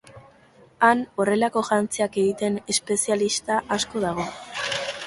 Han, horrelako jantziak egiten espezialista asko dago.